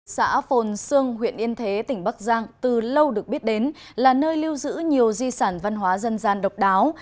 xã phồn sương huyện yên thế tỉnh bắc giang từ lâu được biết đến là nơi lưu giữ nhiều di sản văn hóa dân gian độc đáo